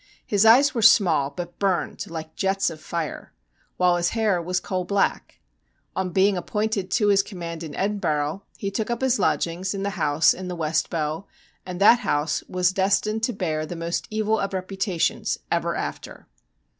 His eyes were small, but burned like jets of fire, while his hair was coal black. On being appointed to his command in Edinburgh he took up his lodgings in the house in the West Bow, and that house was destined to bear the most evil of reputations ever after.